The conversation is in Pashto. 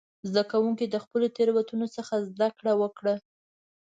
زده کوونکي د خپلو تېروتنو څخه زده کړه وکړه.